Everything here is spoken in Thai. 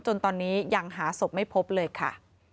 จนตอนนี้ยังหาศพไม่พบเลยค่ะ